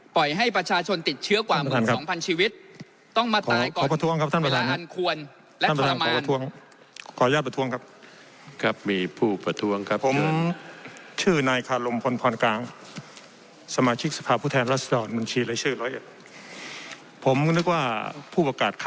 ปล่อยให้ประชาชนติดเชื้อกว่าหมื่นสองพันชีวิต